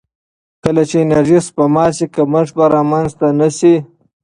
کله چې انرژي سپما شي، کمښت به رامنځته نه شي.